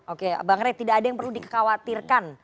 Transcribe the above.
oke bang rey tidak ada yang perlu dikhawatirkan